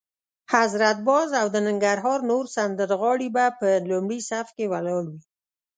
حضرت باز او د ننګرهار نور سندرغاړي به په لومړي صف کې ولاړ وي.